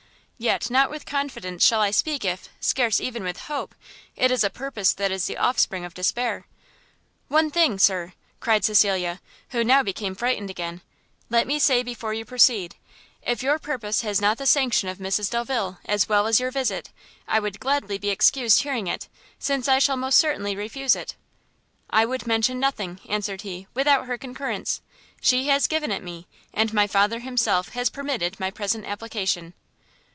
Yet not with confidence shall I speak if, scarce even with hope! it is a purpose that is the offspring of despair, "One thing, Sir," cried Cecilia, who now became frightened again, "let me say before you proceed; if your purpose has not the sanction of Mrs Delvile, as well as your visit, I would gladly be excused hearing it, since I shall most certainly refuse it." "I would mention nothing," answered he, "without her concurrence; she has given it me: and my father himself has permitted my present application."